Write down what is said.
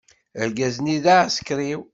Argaz-nni d aɛsekriw.